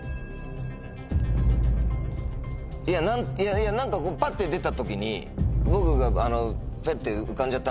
いや何かこうパッて出た時に僕が。